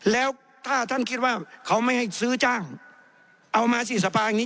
แล้วถ้าท่านคิดว่าเขาไม่ให้ซื้อจ้างเอามาสิสภาอย่างนี้